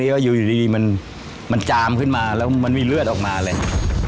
แล้วอยู่ดีมันจามขึ้นมาแล้วมันมีเลือดออกมาเลย